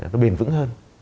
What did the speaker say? nó bền vững hơn